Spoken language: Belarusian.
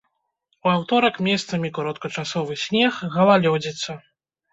У аўторак месцамі кароткачасовы снег, галалёдзіца.